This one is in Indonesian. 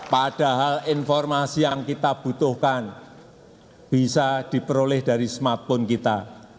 padahal informasi yang kita butuhkan bisa diperoleh dari smartphone kita